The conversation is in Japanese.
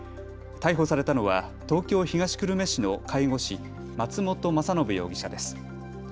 逮捕されたのは東京東久留米市の介護士、松本昌伸容疑者です。